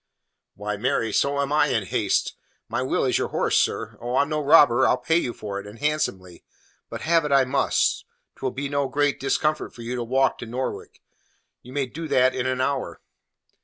"Why, marry, so am I in haste. My will is your horse, sir. Oh, I'm no robber. I'll pay you for it, and handsomely. But have it I must. 'Twill be no great discomfort for you to walk to Norwich. You may do it in an hour."